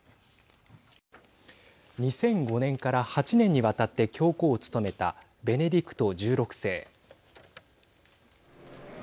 ２００５年から８年にわたって教皇を務めたベネティクト１６世。